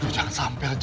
jangan sampe aja